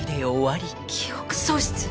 記憶喪失？